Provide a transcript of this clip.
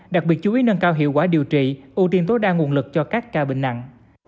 đặc biệt chú ý nâng cao hiệu quả điều trị ưu tiên tối đa nguồn lực cho các ca bệnh nặng